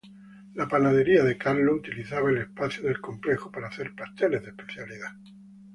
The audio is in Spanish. La panadería de Carlo utilizaba el espacio del complejo, para hacer pasteles de especialidad.